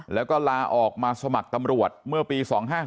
แล้วก็ลาออกมาสมัครตำรวจเมื่อปี๒๕๔